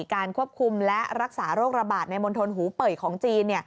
การควบคุมและรักษาโรคระบาดในมณฑลหูเป่ยของจีน